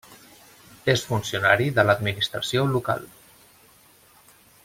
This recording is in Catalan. És funcionari de l'administració local.